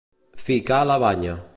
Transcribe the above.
Ficar la banya.